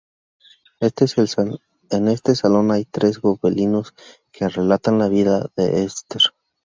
En este salón hay tres Gobelinos que relatan la vida de Ester.